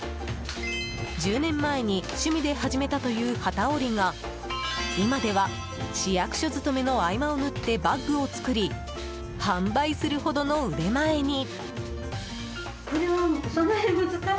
１０年前に趣味で始めたという機織りが今では市役所勤めの合間を縫ってバッグを作り販売するほどの腕前に。